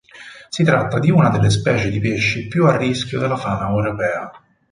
Si tratta di una delle specie di pesci più a rischio della fauna europea.